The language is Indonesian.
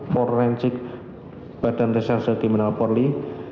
forensik badan reserse timenal porli